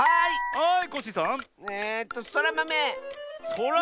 はい！